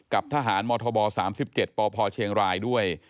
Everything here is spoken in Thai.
กับทหารมธบ๓๗ปพเชียงรายด้วย